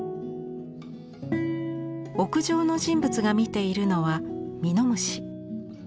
屋上の人物が見ているのはミノムシ。